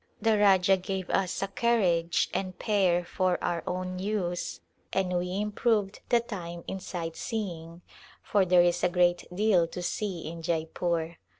The Rajah gave us a car riage and pair for our own use and we improved the time in sightseeing, for there is a great deal to see in Jeypore.